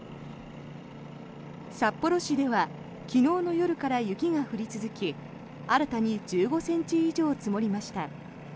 札幌市では昨日の夜から雪が降り続き新たに１５ｃｍ以上積もりました。